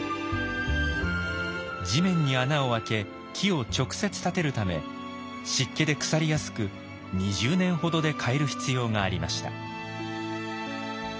地面に穴を開け木を直接立てるため湿気で腐りやすく２０年ほどで替える必要がありました。